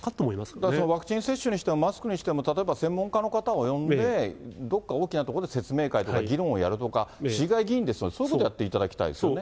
だからワクチン接種にしてもマスクにしても、例えば専門の方を呼んで、どこか大きな所で説明会とか議論をやるとか、市議会議員ですから、そういうことをやっていただきたいですよね。